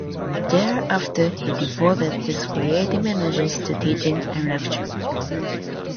Thereafter, he devoted his creative energies to teaching and lecturing.